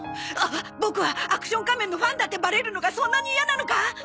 あっボクはアクション仮面のファンだってバレるのがそんなに嫌なのか？